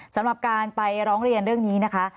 สำหรับการไปร้องเรียนเรื่องนี้นะคะ